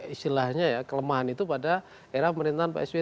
istilahnya ya kelemahan itu pada era pemerintahan pak sby